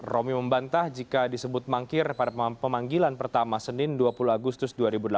romi membantah jika disebut mangkir pada pemanggilan pertama senin dua puluh agustus dua ribu delapan belas